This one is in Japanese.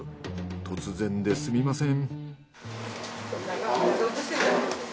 突然ですみません。